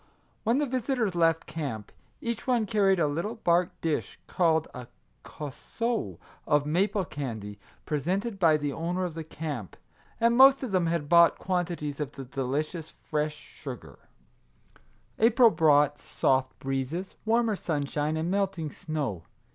When the visitors left camp, each one carried a little bark dish (called a " cosseau ") of maple candy, presented by the owner of the camp, and most of them had bought quantities of the delicious fresh sugar. 120 Our Little Canadian Cousin April brought soft breezes, warmer sunshine and melting snow.